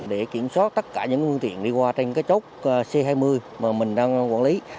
để kiểm soát tất cả những phương tiện đi qua trên cái chốt c hai mươi mà mình đang quản lý